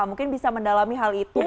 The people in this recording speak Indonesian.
mungkin bisa mendalami hal itu